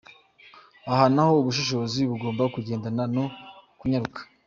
Aha naho ubushishozi bugomba kugendana no kunyaruka